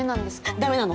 ダメなの。